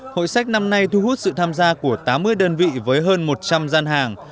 hội sách năm nay thu hút sự tham gia của tám mươi đơn vị với hơn một trăm linh gian hàng